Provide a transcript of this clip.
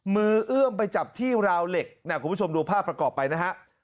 เอื้อมไปจับที่ราวเหล็กนะคุณผู้ชมดูภาพประกอบไปนะฮะ